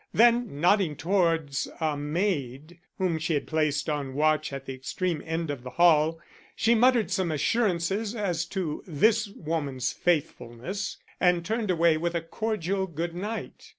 Then, nodding towards a maid whom she had placed on watch at the extreme end of the hall, she muttered some assurances as to this woman's faithfulness, and turned away with a cordial good night.